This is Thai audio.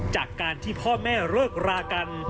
จากการที่พ่อแม่เลิกรากัน